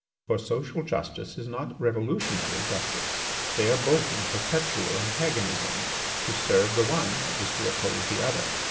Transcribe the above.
For social justice is not revolutionary justice. They are both in perpetual antagonism: to serve the one is to oppose the other.